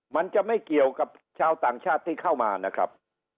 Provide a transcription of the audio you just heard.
มันจะไม่เกี่ยวกับชาวต่างชาติที่เข้ามานะครับ